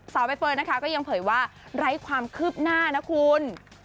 ใบเฟิร์นนะคะก็ยังเผยว่าไร้ความคืบหน้านะคุณ